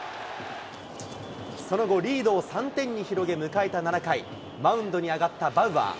その後、リードを３点に広げ、迎えた７回、マウンドに上がったバウアー。